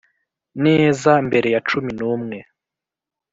neza mbere ya cumi n'umwe